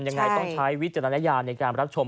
ยังไงต้องใช้วิจารณญาณในการรับชม